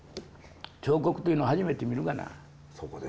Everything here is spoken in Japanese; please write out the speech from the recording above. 彫刻というのを初めて見るがな。